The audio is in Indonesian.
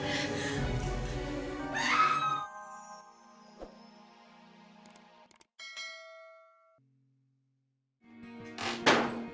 ibu beli ga tau